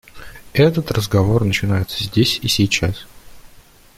Этот разговор начинается здесь и сейчас.